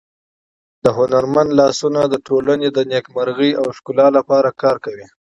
د هنرمند لاسونه د ټولنې د نېکمرغۍ او ښکلا لپاره کار کوي.